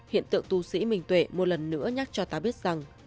hiện tượng tu sĩ mình tuệ một lần nữa nhắc cho ta biết rằng